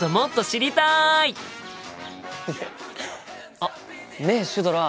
あっねえシュドラ。